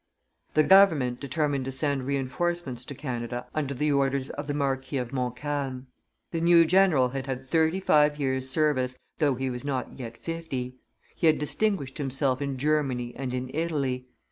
The government determined to send re enforcements to Canada under the orders of the Marquis of Montcalm. The new general had had thirty five years' service, though he was not yet fifty; he had distinguished himself in Germany and in Italy.